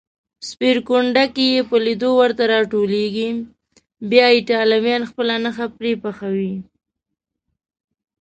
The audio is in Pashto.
سپېرکونډکې یې په لېدو ورته راټولېږي، بیا ایټالویان خپله نښه پرې پخوي.